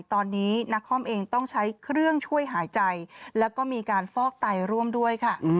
ตอนนี้นักคอมเองต้องใช้เครื่องช่วยหายใจแล้วก็มีการฟอกไตร่วมด้วยค่ะ